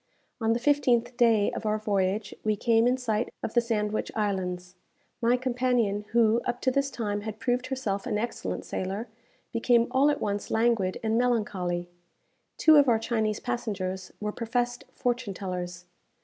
On the fifteenth day of our voyage, we came in sight of the Sandwich Islands. My companion, who up to this time had proved herself an excellent sailor, became all at once languid and melancholy. Two of our Chinese passengers were professed fortune tellers.